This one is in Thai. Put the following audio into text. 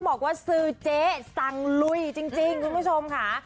บอกว่าซื้อเจ๊สั่งลุยจริงคุณผู้ชมค่ะ